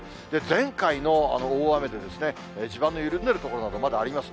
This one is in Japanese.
前回のあの大雨で、地盤の緩んでいる所など、まだあります。